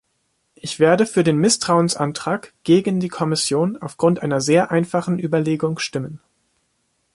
Ich werde für den Misstrauensantrag gegen die Kommission aufgrund einer sehr einfachen Überlegung stimmen.